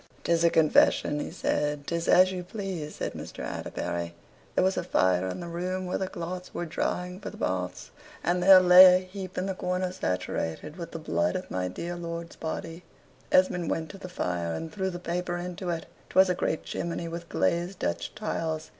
"'Tis a confession," he said. "'Tis as you please," said Mr. Atterbury. There was a fire in the room where the cloths were drying for the baths, and there lay a heap in a corner saturated with the blood of my dear lord's body. Esmond went to the fire, and threw the paper into it. 'Twas a great chimney with glazed Dutch tiles.